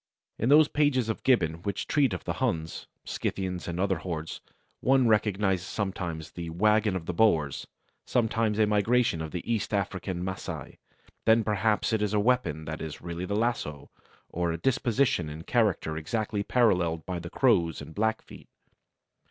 In those pages of Gibbon which treat of the Huns, Scythians, and other hordes, one recognizes sometimes the wagon of the Boers; sometimes a migration of the East African Masai; then perhaps it is a weapon that is really the lasso, or a disposition and character exactly paralleled by the Crows and Blackfeet.